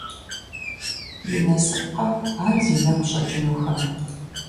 И насыпкъэ ар зи нэгу щӀэкӀынухэм?!